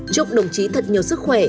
chúc đồng chí thật nhiều sức khỏe